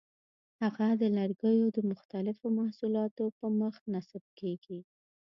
هغه د لرګیو د مختلفو محصولاتو پر مخ نصب کېږي.